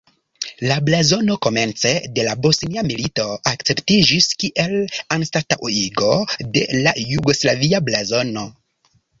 La blazono komence de la Bosnia Milito akceptiĝis kiel anstataŭigo de la jugoslavia blazono.